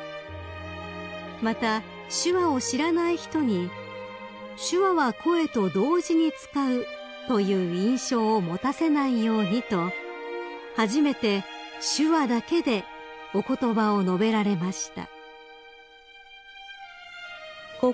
［また手話を知らない人に「手話は声と同時に使う」という印象を持たせないようにと初めて手話だけでお言葉を述べられました］